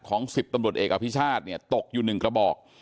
๑๐ตำรวจเอกอภิชาติเนี่ยตกอยู่๑กระบอก